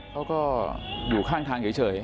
เขาก็อยู่ข้างทางเฉย